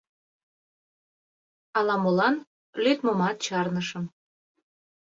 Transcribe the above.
Ала-молан лӱдмымат чарнышым.